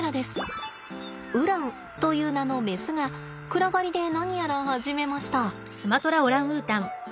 ウランという名のメスが暗がりで何やら始めました。